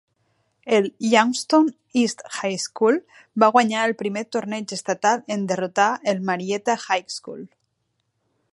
El Youngstown East High School va guanyar el primer torneig estatal en derrotar al Marietta High School.